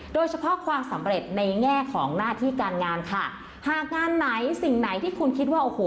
โดยเฉพาะความสำเร็จในแง่ของหน้าที่การงานค่ะหากงานไหนสิ่งไหนที่คุณคิดว่าโอ้โห